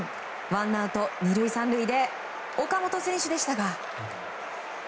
ワンアウト２塁３塁で岡本選手でしたが。